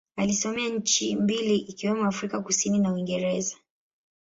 Alisomea nchi mbili ikiwemo Afrika Kusini na Uingereza.